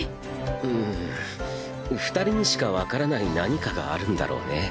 うん二人にしか分からない何かがあるんだろうね。